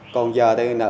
còn giờ thì nợ